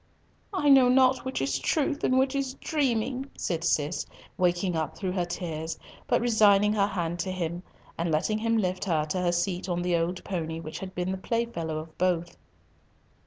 "I know not which is truth and which is dreaming," said Cis, waking up through her tears, but resigning her hand to him, and letting him lift her to her seat on the old pony which had been the playfellow of both.